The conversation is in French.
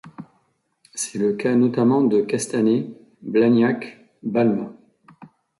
C'est le cas notamment de Castanet, Blagnac, Balma.